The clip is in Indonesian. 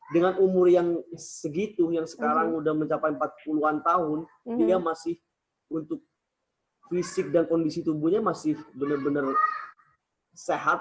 dengan umur yang segitu yang sekarang sudah mencapai empat puluh an tahun dia masih untuk fisik dan kondisi tubuhnya masih benar benar sehat